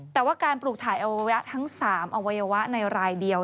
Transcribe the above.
แต่ว่าการปลูกถ่ายอวัยวะทั้ง๓อวัยวะในรายเดียว